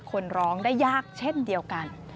คนร้องได้ยากเช่นเดียวกัน